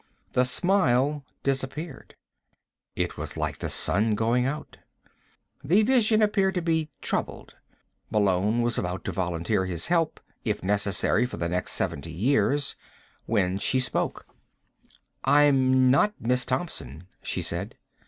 The smile disappeared. It was like the sun going out. The vision appeared to be troubled. Malone was about to volunteer his help if necessary, for the next seventy years when she spoke. "I'm not Miss Thompson," she said.